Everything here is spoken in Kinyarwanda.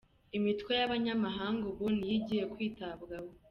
Imitwe y’abanyamahanga ubu niyo igiye kwitabwaho